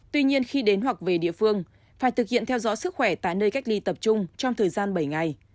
tuy nhiên khi đến hoặc về địa phương phải thực hiện theo dõi sức khỏe tại nơi cách ly tập trung trong thời gian bảy ngày